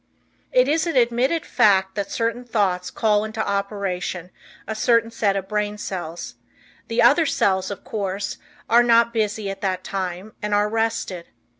It is an admitted fact that certain thoughts call into operation a certain set of brain cells; the other cells, of course, are not busy at that time and are rested.